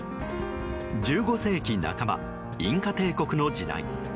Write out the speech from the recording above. １５世紀半ばインカ帝国の時代。